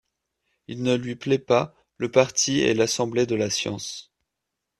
Il ne lui plaît pas, le Parti et l'Assemblée de la Science.